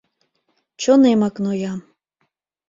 Чонемак ноя.